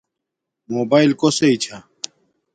موباݵل کوسݵ چھا